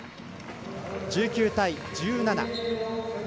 １９対１７。